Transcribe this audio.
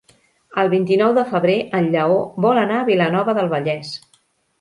El vint-i-nou de febrer en Lleó vol anar a Vilanova del Vallès.